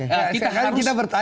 sekarang kita bertanya